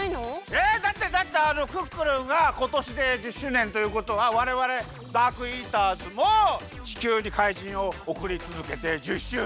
えっだってだってクックルンがことしで１０周年ということはわれわれダークイーターズも地球に怪人をおくりつづけて１０周年！